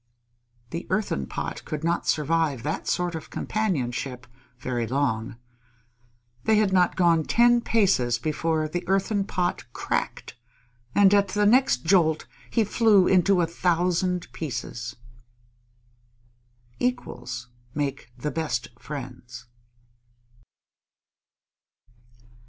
The Earthen Pot could not survive that sort of companionship very long. They had not gone ten paces before the Earthen Pot cracked, and at the next jolt he flew into a thousand pieces. _Equals make the best friends.